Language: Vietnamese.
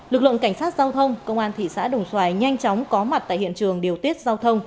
lực lượng cảnh sát giao thông công an thị xã đồng xoài nhanh chóng có mặt tại hiện trường điều tiết giao thông